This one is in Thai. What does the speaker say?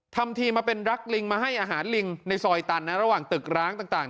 ทำทีมาเป็นรักลิงมาให้อาหารลิงในซอยตันนะระหว่างตึกร้างต่าง